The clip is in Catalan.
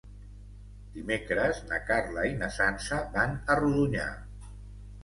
Dimecres na Carla i na Sança van a Rodonyà.